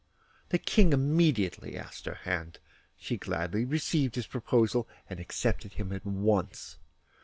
The King immediately asked her hand; she gladly received his proposal and accepted him at once.